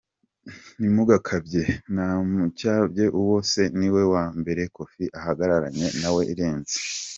Ntimugakabye, ntavmcyabaye uwo se niwe wambere koffi ahagararanye nawe irenze.